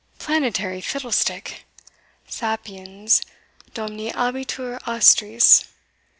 planetary fiddlestick! Sapiens dominabitur astris.